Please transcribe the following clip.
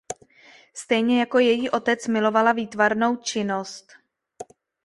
Stejně jako její otec milovala výtvarnou činnost.